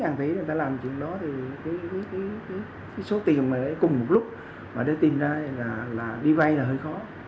người ta làm chuyện đó thì cái số tiền mà lại cùng một lúc mà để tìm ra là đi vay là hơi khó